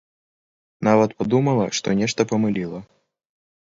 Нават падумала, што нешта памыліла.